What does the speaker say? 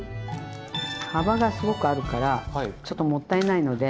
幅がすごくあるからちょっともったいないので。